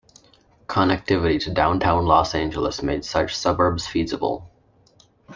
Connectivity to Downtown Los Angeles made such suburbs feasible.